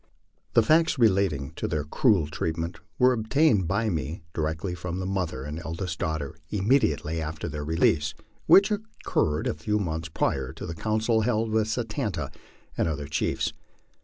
The facts relating to their cruel treatment were obtained by me directly from the mother and eldest daughter immediately after their release, which occurred a few months prior to the council held with Satan ta and other chiefs.